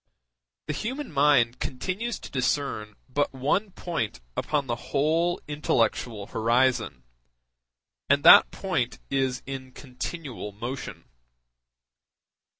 The human mind continues to discern but one point upon the whole intellectual horizon, and that point is in continual motion.